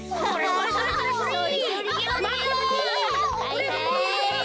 はいはい。